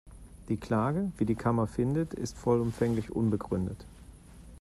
Die Klage, wie die Kammer findet, ist vollumfänglich unbegründet.